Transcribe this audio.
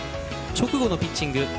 直後のピッチング。